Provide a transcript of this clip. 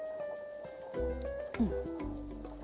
うん。